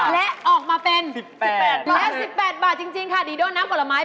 และออกมาเป็น๑๘บาทจริงค่ะดีโด่น้ำผลไม้